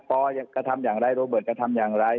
ปอล์ก็ทำอย่างไรโรเบิร์ตก็ทำอย่างไร